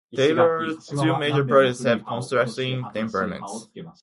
Taylor's two major projects have contrasting temperaments.